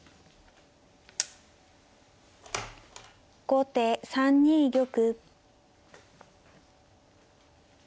後手３二玉。